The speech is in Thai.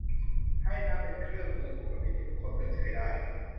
ให้นับเป็นเครื่องมือปกติที่ทุกคนเลือกใช้ได้